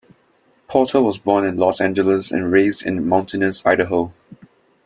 Porter was born in Los Angeles and raised in mountainous Idaho.